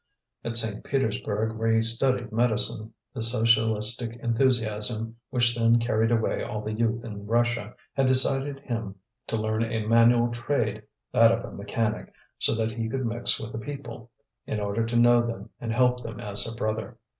At St. Petersburg, where he studied medicine, the socialistic enthusiasm which then carried away all the youth in Russia had decided him to learn a manual trade, that of a mechanic, so that he could mix with the people, in order to know them and help them as a brother.